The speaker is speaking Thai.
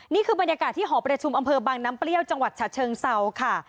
นี่คือบรรยากาศที่หอประชุมอำเภอบางน้ำเปรี้ยวจังหวัดฉะเชิงเซาค่ะ